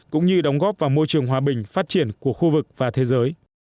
cũng như đóng góp vào môi trường hòa bình phát triển của khu vực và thế giới